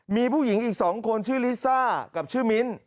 มีผู้หญิงอีก๒คนชื่อลิซ่ากับชื่อมิ้น